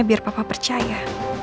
biar papa percaya